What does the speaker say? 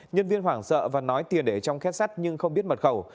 nhân viên hoảng sợ và nói tiền để trong khét sắt nhưng không biết mật khẩu